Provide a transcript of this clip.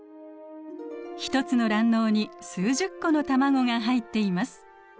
１つの卵嚢に数十個の卵が入っています。